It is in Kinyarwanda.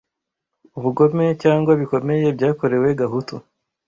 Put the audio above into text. ubugome cyangwa bikomeye byakorewe gahutu